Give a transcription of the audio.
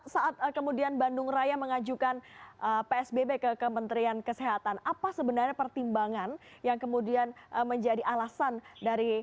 saat kemudian bandung raya mengajukan psbb ke kementerian kesehatan apa sebenarnya pertimbangan yang kemudian menjadi alasan dari